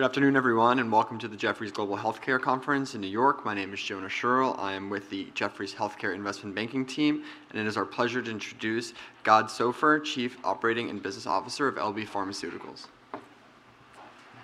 Good afternoon, everyone, and welcome to the Jefferies Global Healthcare Conference in New York. My name is Jonah Scherl. I am with the Jefferies Healthcare Investment Banking team, and it is our pleasure to introduce Gad Soffer, Chief Operating and Business Officer of LB Pharmaceuticals.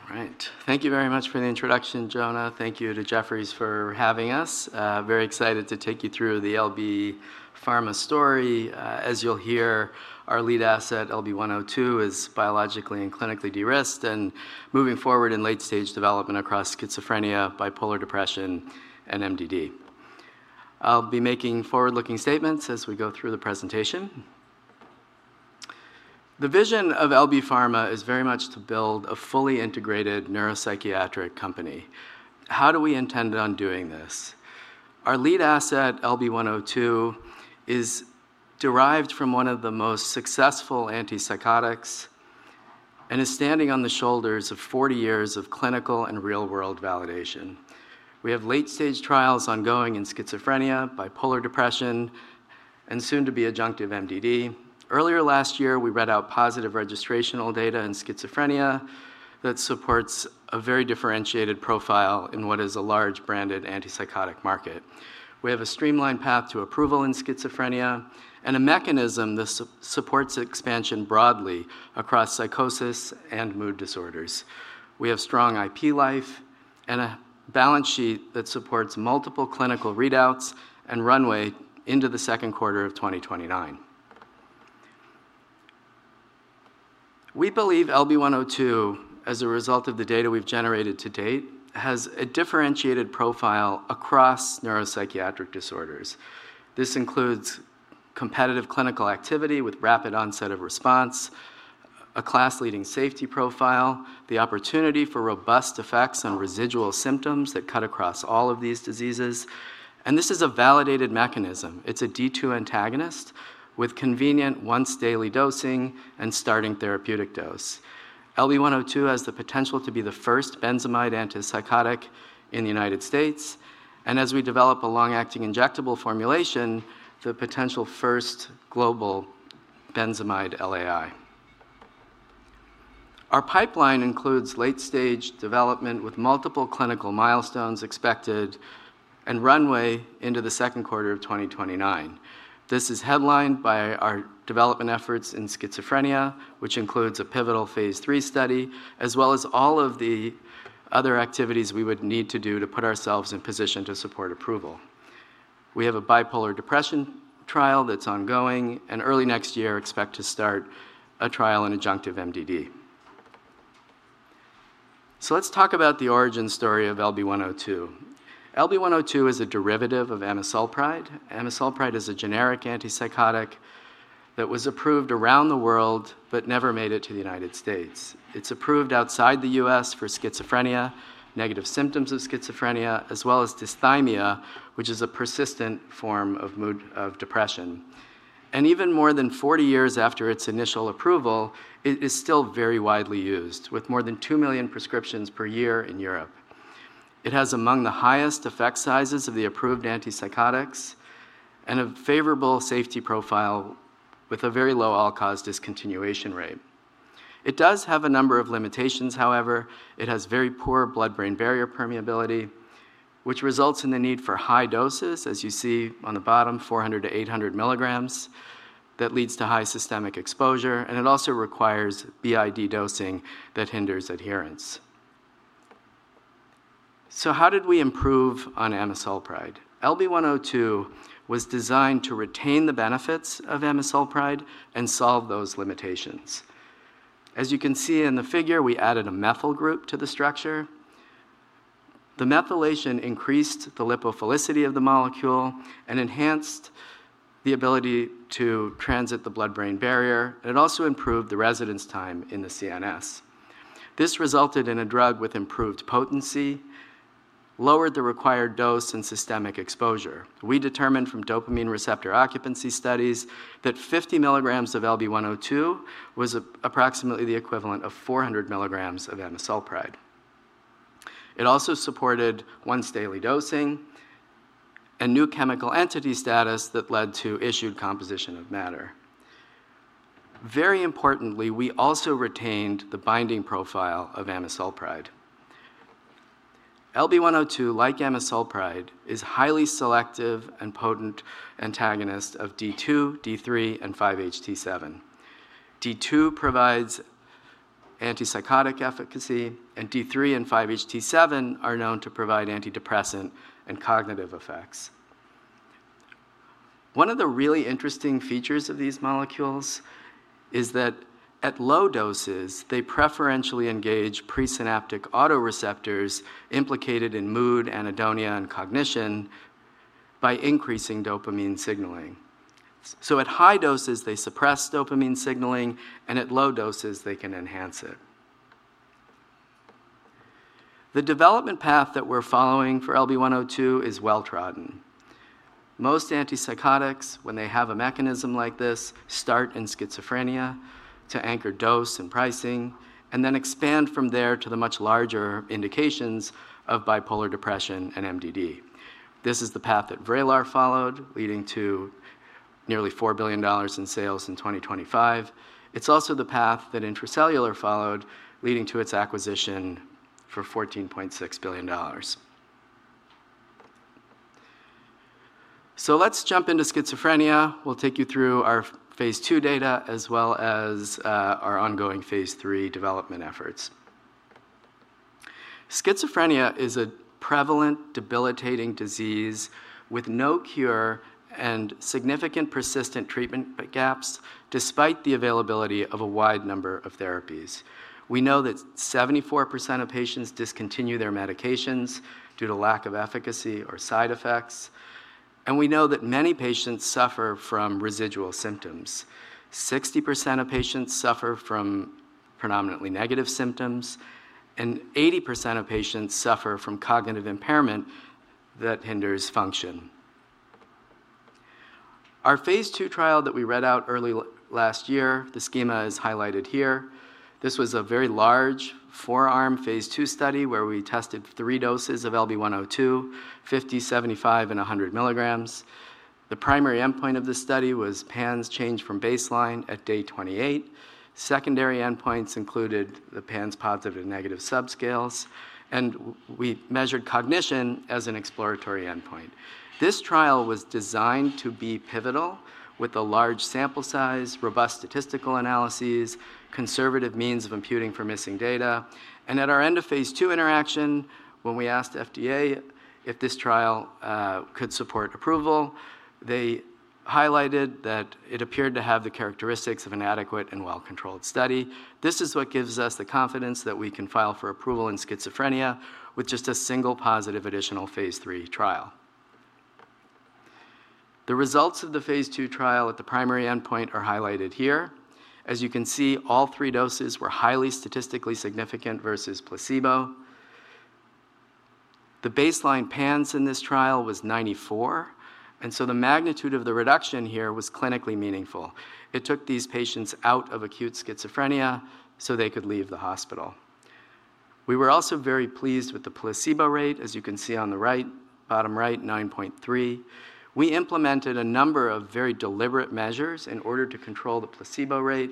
All right. Thank you very much for the introduction, Jonah. Thank you to Jefferies for having us. Very excited to take you through the LB Pharma story. As you'll hear, our lead asset, LB-102, is biologically and clinically de-risked and moving forward in late-stage development across schizophrenia, bipolar depression, and MDD. I'll be making forward-looking statements as we go through the presentation. The vision of LB Pharma is very much to build a fully integrated neuropsychiatric company. How do we intend on doing this? Our lead asset, LB-102, is derived from one of the most successful antipsychotics and is standing on the shoulders of 40 years of clinical and real-world validation. We have late-stage trials ongoing in schizophrenia, bipolar depression, and soon to be adjunctive MDD. Earlier last year, we read out positive registrational data in schizophrenia that supports a very differentiated profile in what is a large branded antipsychotic market. We have a streamlined path to approval in schizophrenia and a mechanism that supports expansion broadly across psychosis and mood disorders. We have strong IP life and a balance sheet that supports multiple clinical readouts and runway into the second quarter of 2029. We believe LB-102, as a result of the data we've generated to date, has a differentiated profile across neuropsychiatric disorders. This includes competitive clinical activity with rapid onset of response, a class-leading safety profile, the opportunity for robust effects on residual symptoms that cut across all of these diseases, and this is a validated mechanism. It's a D2 antagonist with convenient once-daily dosing and starting therapeutic dose. LB-102 has the potential to be the first benzamide antipsychotic in the U.S., and as we develop a long-acting injectable formulation, the potential first global benzamide LAI. Our pipeline includes late-stage development with multiple clinical milestones expected and runway into the second quarter of 2029. This is headlined by our development efforts in schizophrenia, which includes a pivotal phase III study, as well as all of the other activities we would need to do to put ourselves in position to support approval. We have a bipolar depression trial that's ongoing, and early next year expect to start a trial in adjunctive MDD. Let's talk about the origin story of LB-102. LB-102 is a derivative of amisulpride. Amisulpride is a generic antipsychotic that was approved around the world but never made it to the U.S. It's approved outside the U.S. for schizophrenia, negative symptoms of schizophrenia, as well as dysthymia, which is a persistent form of depression. Even more than 40 years after its initial approval, it is still very widely used, with more than 2 million prescriptions per year in Europe. It has among the highest effect sizes of the approved antipsychotics and a favorable safety profile with a very low all-cause discontinuation rate. It does have a number of limitations, however. It has very poor blood-brain barrier permeability, which results in the need for high doses, as you see on the bottom, 400 mg-800 mg. That leads to high systemic exposure, and it also requires BID dosing that hinders adherence. How did we improve on amisulpride? LB-102 was designed to retain the benefits of amisulpride and solve those limitations. As you can see in the figure, we added a methyl group to the structure. The methylation increased the lipophilicity of the molecule and enhanced the ability to transit the blood-brain barrier. It also improved the residence time in the CNS. This resulted in a drug with improved potency, lowered the required dose, and systemic exposure. We determined from dopamine receptor occupancy studies that 50 mg of LB-102 was approximately the equivalent of 400 mg of amisulpride. It also supported once-daily dosing and new chemical entity status that led to issued composition of matter. Very importantly, we also retained the binding profile of amisulpride. LB-102, like amisulpride, is highly selective and potent antagonist of D2, D3, and 5-HT7. D2 provides antipsychotic efficacy, and D3 and 5-HT7 are known to provide antidepressant and cognitive effects. One of the really interesting features of these molecules is that at low doses, they preferentially engage presynaptic autoreceptors implicated in mood, anhedonia, and cognition by increasing dopamine signaling. At high doses, they suppress dopamine signaling, and at low doses, they can enhance it. The development path that we're following for LB-102 is well-trodden. Most antipsychotics, when they have a mechanism like this, start in schizophrenia to anchor dose and pricing, and then expand from there to the much larger indications of bipolar depression and MDD. This is the path that Vraylar followed, leading to nearly $4 billion in sales in 2025. It's also the path that Intra-Cellular followed, leading to its acquisition for $14.6 billion. Let's jump into schizophrenia. We'll take you through our phase II data, as well as our ongoing phase III development efforts. Schizophrenia is a prevalent, debilitating disease with no cure and significant persistent treatment gaps, despite the availability of a wide number of therapies. We know that 74% of patients discontinue their medications due to lack of efficacy or side effects. We know that many patients suffer from residual symptoms. 60% of patients suffer from predominantly negative symptoms, and 80% of patients suffer from cognitive impairment that hinders function. Our phase II trial that we read out early last year, the schema is highlighted here. This was a very large, four-arm phase II study where we tested three doses of LB-102, 50, 75 and 100 mg. The primary endpoint of this study was PANSS change from baseline at day 28. Secondary endpoints included the PANSS positive and negative subscales, and we measured cognition as an exploratory endpoint. This trial was designed to be pivotal with a large sample size, robust statistical analyses, conservative means of imputing for missing data. At our end of phase II interaction, when we asked FDA if this trial could support approval, they highlighted that it appeared to have the characteristics of an adequate and well-controlled study. This is what gives us the confidence that we can file for approval in schizophrenia with just a single positive additional phase III trial. The results of the phase II trial at the primary endpoint are highlighted here. As you can see, all three doses were highly statistically significant versus placebo. The baseline PANSS in this trial was 94, the magnitude of the reduction here was clinically meaningful. It took these patients out of acute schizophrenia so they could leave the hospital. We were also very pleased with the placebo rate. As you can see on the bottom right, 9.3. We implemented a number of very deliberate measures in order to control the placebo rate,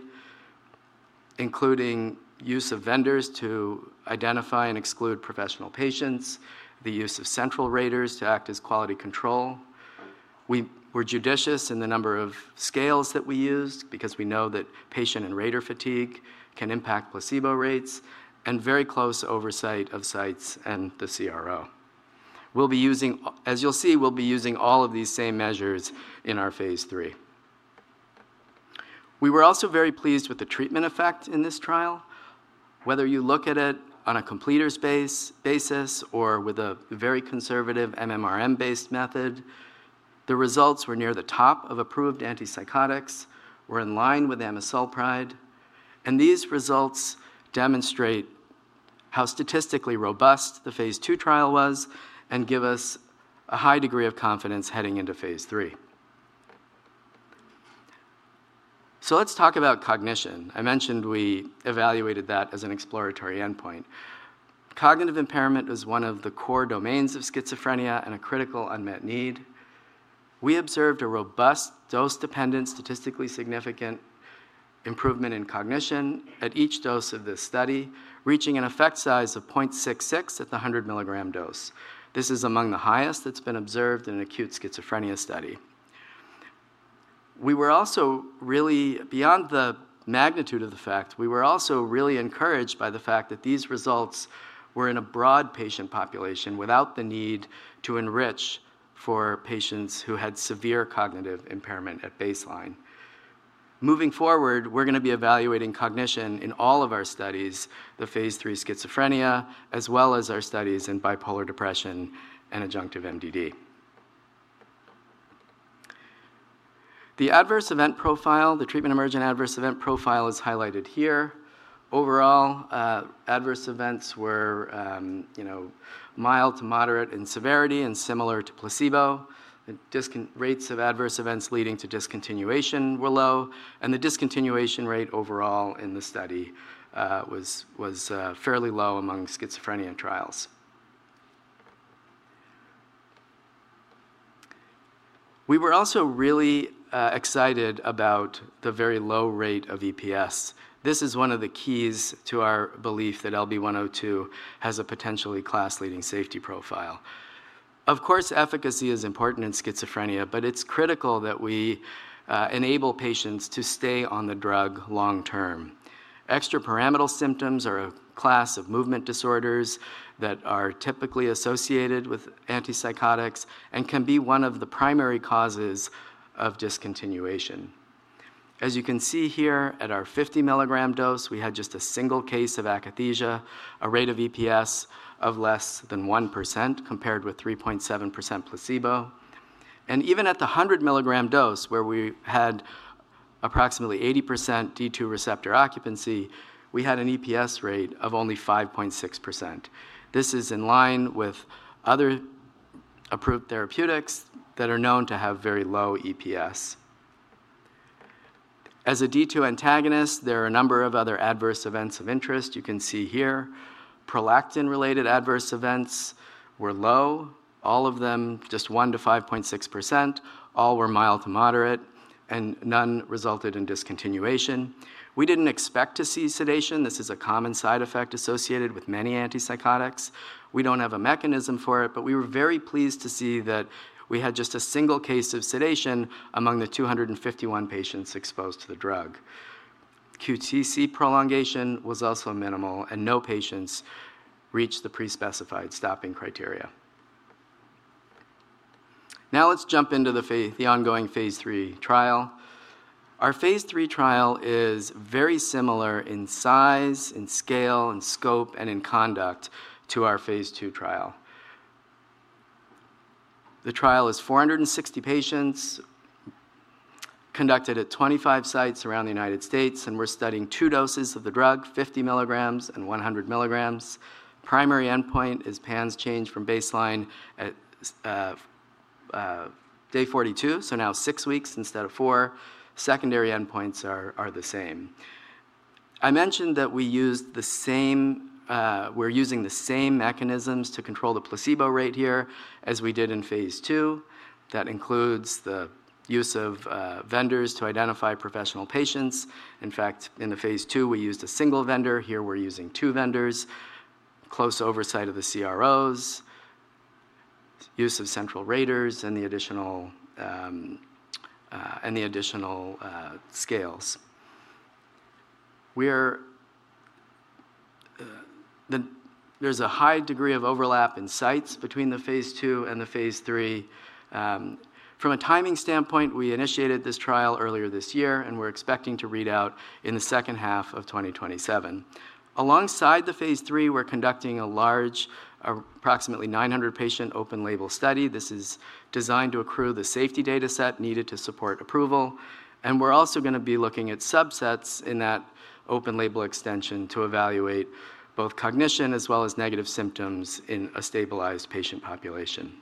including use of vendors to identify and exclude professional patients, the use of central raters to act as quality control. We were judicious in the number of scales that we used because we know that patient and rater fatigue can impact placebo rates, and very close oversight of sites and the CRO. As you'll see, we'll be using all of these same measures in our phase III. We were also very pleased with the treatment effect in this trial. Whether you look at it on a completers basis or with a very conservative MMRM-based method, the results were near the top of approved antipsychotics, were in line with amisulpride, these results demonstrate how statistically robust the phase II trial was and give us a high degree of confidence heading into phase III. Let's talk about cognition. I mentioned we evaluated that as an exploratory endpoint. Cognitive impairment is one of the core domains of schizophrenia and a critical unmet need. We observed a robust dose-dependent, statistically significant improvement in cognition at each dose of this study, reaching an effect size of 0.66 at the 100 mg dose. This is among the highest that's been observed in an acute schizophrenia study. Beyond the magnitude of the fact, we were also really encouraged by the fact that these results were in a broad patient population without the need to enrich for patients who had severe cognitive impairment at baseline. Moving forward, we're going to be evaluating cognition in all of our studies, the phase III schizophrenia, as well as our studies in bipolar depression and adjunctive MDD. The adverse event profile, the treatment-emergent adverse event profile is highlighted here. Overall, adverse events were mild to moderate in severity and similar to placebo. The rates of adverse events leading to discontinuation were low, and the discontinuation rate overall in the study was fairly low among schizophrenia trials. We were also really excited about the very low rate of EPS. This is one of the keys to our belief that LB-102 has a potentially class-leading safety profile. Of course, efficacy is important in schizophrenia, but it's critical that we enable patients to stay on the drug long-term. Extrapyramidal symptoms are a class of movement disorders that are typically associated with antipsychotics and can be one of the primary causes of discontinuation. As you can see here at our 50 mg dose, we had just a single case of akathisia, a rate of EPS of less than 1%, compared with 3.7% placebo. Even at the 100 mg dose, where we had approximately 80% D2 receptor occupancy, we had an EPS rate of only 5.6%. This is in line with other approved therapeutics that are known to have very low EPS. As a D2 antagonist, there are a number of other adverse events of interest you can see here. Prolactin-related adverse events were low, all of them just 1% to 5.6%. All were mild to moderate, and none resulted in discontinuation. We didn't expect to see sedation. This is a common side effect associated with many antipsychotics. We don't have a mechanism for it, but we were very pleased to see that we had just a single case of sedation among the 251 patients exposed to the drug. QTc prolongation was also minimal, and no patients reached the pre-specified stopping criteria. Let's jump into the ongoing phase III trial. Our phase III trial is very similar in size, in scale, in scope, and in conduct to our phase II trial. The trial is 460 patients conducted at 25 sites around the U.S., and we're studying two doses of the drug, 50 mg and 100 mg. Primary endpoint is PANSS change from baseline at day 42, now six weeks instead of four. Secondary endpoints are the same. I mentioned that we're using the same mechanisms to control the placebo rate here as we did in phase II. That includes the use of vendors to identify professional patients. In fact, in the phase II, we used a single vendor. Here, we're using two vendors, close oversight of the CROs, use of central raters, and the additional scales. There's a high degree of overlap in sites between the phase II and the phase III. From a timing standpoint, we initiated this trial earlier this year, and we're expecting to read out in the second half of 2027. Alongside the phase III, we're conducting a large, approximately 900-patient open label study. This is designed to accrue the safety data set needed to support approval. We're also going to be looking at subsets in that open-label extension to evaluate both cognition as well as negative symptoms in a stabilized patient population.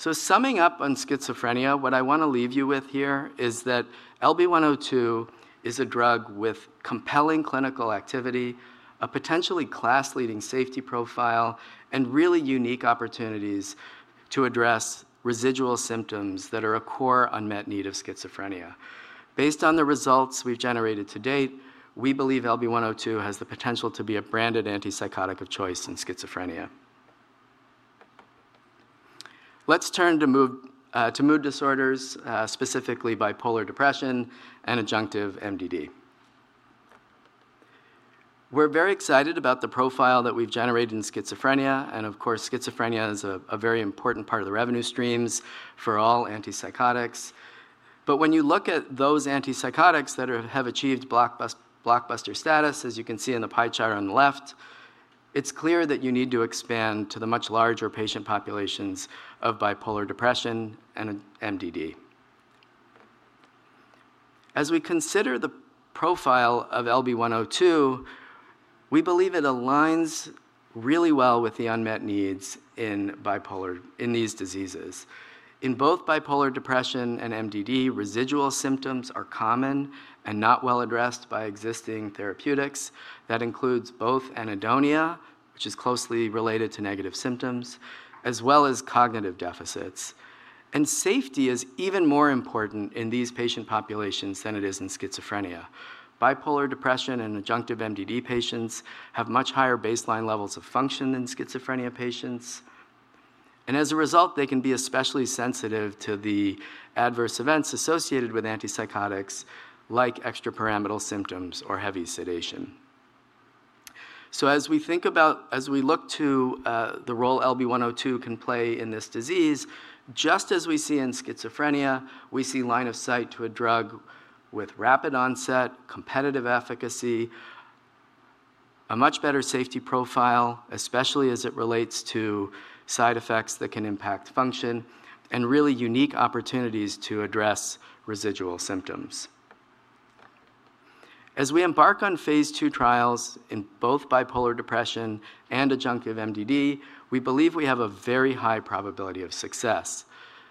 Summing up on schizophrenia, what I want to leave you with here is that LB-102 is a drug with compelling clinical activity, a potentially class-leading safety profile, and really unique opportunities to address residual symptoms that are a core unmet need of schizophrenia. Based on the results we've generated to date, we believe LB-102 has the potential to be a branded antipsychotic of choice in schizophrenia. Let's turn to mood disorders, specifically bipolar depression and adjunctive MDD. We're very excited about the profile that we've generated in schizophrenia, and of course, schizophrenia is a very important part of the revenue streams for all antipsychotics. When you look at those antipsychotics that have achieved blockbuster status, as you can see in the pie chart on the left, it's clear that you need to expand to the much larger patient populations of bipolar depression and MDD. As we consider the profile of LB-102, we believe it aligns really well with the unmet needs in these diseases. In both bipolar depression and MDD, residual symptoms are common and not well addressed by existing therapeutics. That includes both anhedonia, which is closely related to negative symptoms, as well as cognitive deficits. Safety is even more important in these patient populations than it is in schizophrenia. Bipolar depression and adjunctive MDD patients have much higher baseline levels of function than schizophrenia patients. As a result, they can be especially sensitive to the adverse events associated with antipsychotics, like extrapyramidal symptoms or heavy sedation. As we look to the role LB-102 can play in this disease, just as we see in schizophrenia, we see line of sight to a drug with rapid onset, competitive efficacy, a much better safety profile, especially as it relates to side effects that can impact function, and really unique opportunities to address residual symptoms. As we embark on phase II trials in both bipolar depression and adjunctive MDD, we believe we have a very high probability of success.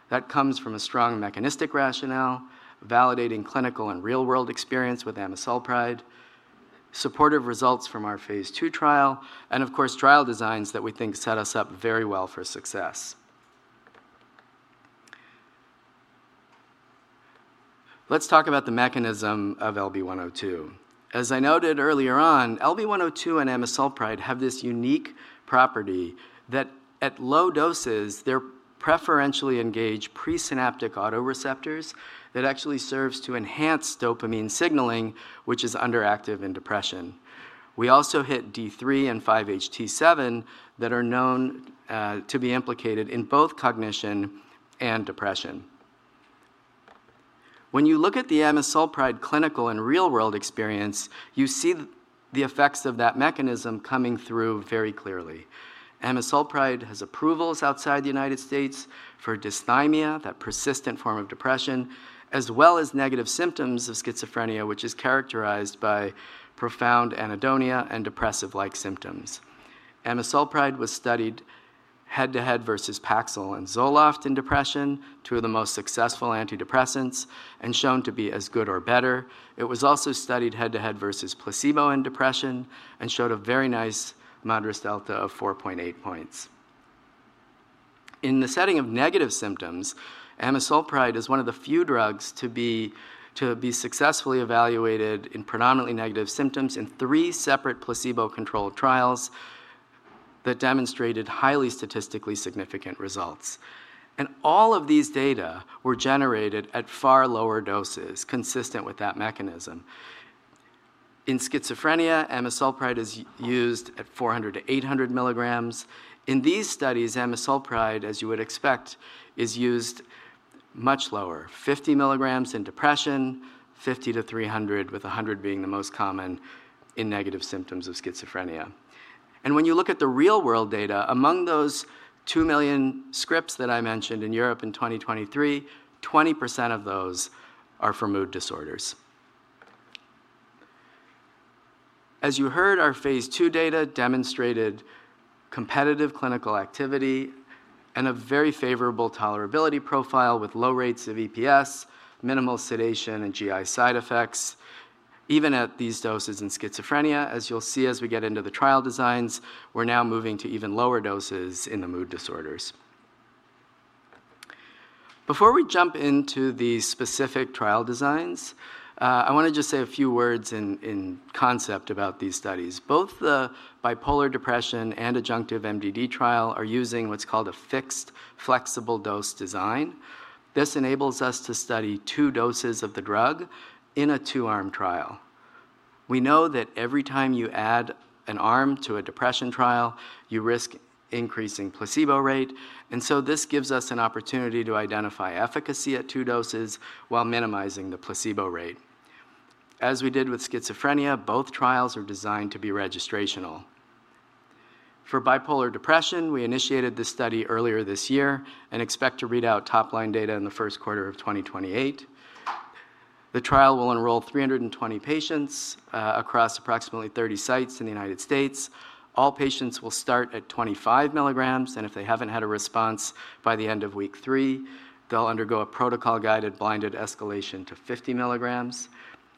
That comes from a strong mechanistic rationale, validating clinical and real-world experience with amisulpride, supportive results from our phase II trial, and of course, trial designs that we think set us up very well for success. Let's talk about the mechanism of LB-102. As I noted earlier on, LB-102 and amisulpride have this unique property that at low doses, they preferentially engage presynaptic autoreceptors that actually serves to enhance dopamine signaling, which is underactive in depression. We also hit D3 and 5-HT7 that are known to be implicated in both cognition and depression. When you look at the amisulpride clinical and real-world experience, you see the effects of that mechanism coming through very clearly. Amisulpride has approvals outside the United States for dysthymia, that persistent form of depression, as well as negative symptoms of schizophrenia, which is characterized by profound anhedonia and depressive-like symptoms. Amisulpride was studied head-to-head versus Paxil and Zoloft in depression, two of the most successful antidepressants, and shown to be as good or better. It was also studied head-to-head versus placebo in depression and showed a very nice MADRS delta of 4.8 points. In the setting of negative symptoms, amisulpride is one of the few drugs to be successfully evaluated in predominantly negative symptoms in three separate placebo-controlled trials that demonstrated highly statistically significant results. All of these data were generated at far lower doses, consistent with that mechanism. In schizophrenia, amisulpride is used at 400 mg-800 mg. In these studies, amisulpride, as you would expect, is used much lower, 50 mg in depression, 50 mg-300 mg, with 100 mg being the most common in negative symptoms of schizophrenia. When you look at the real-world data, among those 2 million scripts that I mentioned in Europe in 2023, 20% of those are for mood disorders. As you heard, our phase II data demonstrated competitive clinical activity and a very favorable tolerability profile with low rates of EPS, minimal sedation, and GI side effects. Even at these doses in schizophrenia, as you'll see as we get into the trial designs, we're now moving to even lower doses in the mood disorders. Before we jump into the specific trial designs, I want to just say a few words in concept about these studies. Both the bipolar depression and adjunctive MDD trial are using what's called a fixed flexible dose design. This enables us to study two doses of the drug in a two-arm trial. We know that every time you add an arm to a depression trial, you risk increasing placebo rate, and so this gives us an opportunity to identify efficacy at two doses while minimizing the placebo rate. As we did with schizophrenia, both trials are designed to be registrational. For bipolar depression, we initiated this study earlier this year and expect to read out top-line data in the first quarter of 2028. The trial will enroll 320 patients across approximately 30 sites in the United States. All patients will start at 25 mg, and if they haven't had a response by the end of week three, they'll undergo a protocol-guided blinded escalation to 50 mg.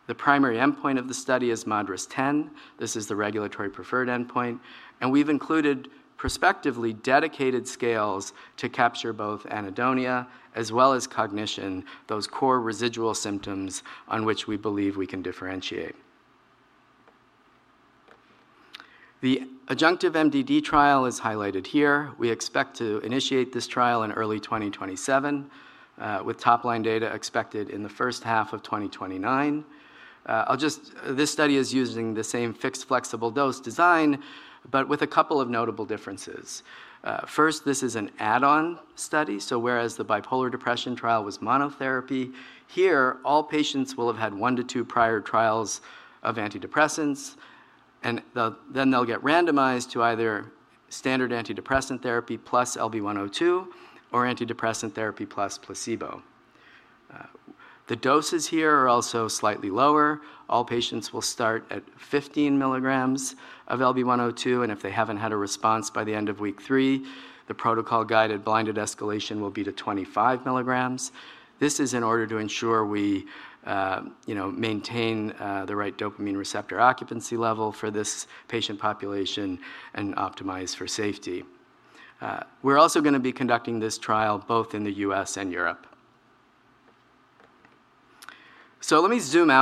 The primary endpoint of the study is MADRS 10. This is the regulatory preferred endpoint, and we've included prospectively dedicated scales to capture both anhedonia as well as cognition, those core residual symptoms on which we believe we can differentiate. The adjunctive MDD trial is highlighted here. We expect to initiate this trial in early 2027, with top-line data expected in the first half of 2029. This study is using the same fixed flexible dose design, but with a couple of notable differences. First, this is an add-on study. Whereas the bipolar depression trial was monotherapy, here, all patients will have had one to two prior trials of antidepressants, and then they'll get randomized to either standard antidepressant therapy plus LB-102 or antidepressant therapy plus placebo. The doses here are also slightly lower. All patients will start at 15 mg of LB-102, and if they haven't had a response by the end of week three, the protocol-guided blinded escalation will be to 25 mg. This is in order to ensure we maintain the right dopamine receptor occupancy level for this patient population and optimize for safety. We're also going to be conducting this trial both in the U.S. and Europe.